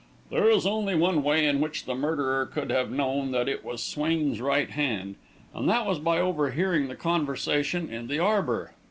"There is only one way in which the murderer could have known that it was Swain's right hand, and that was by overhearing the conversation in the arbour.